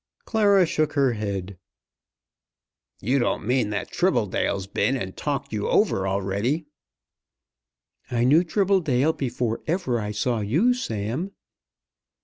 Clara shook her head. "You don't mean that Tribbledale's been and talked you over already?" "I knew Mr. Tribbledale before ever I saw you, Sam."